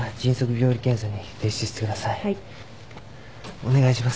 お願いします。